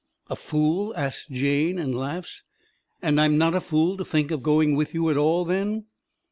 "A fool?" asts Jane, and laughs. "And I'm not a fool to think of going with you at all, then?"